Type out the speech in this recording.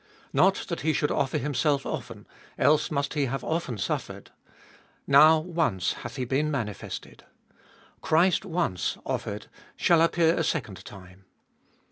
Not that He should offer Himself often, else must He have often suffered ; now once hath He been manifested ; Christ once offered shall appear a second time.